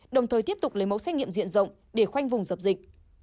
đồng thời tiếp tục lấy mẫu xét nghiệm diện rộng để khoanh vùng dập dịch